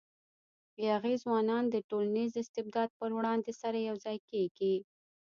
یاغي ځوانان د ټولنیز استبداد پر وړاندې سره یو ځای کېږي.